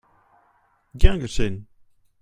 Gern geschehen!